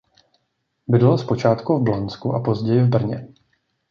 Bydlel zpočátku v Blansku a později v Brně.